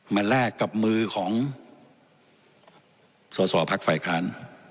มาแลกกับมือของสศภักดิ์ฝ่ายคลาน